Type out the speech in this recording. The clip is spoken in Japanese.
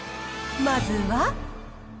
まずは。